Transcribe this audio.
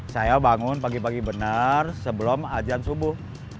saya bangun pagi pagi benar sebelum ajan subuh